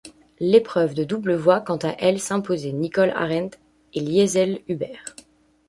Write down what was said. L'épreuve de double voit quant à elle s'imposer Nicole Arendt et Liezel Huber.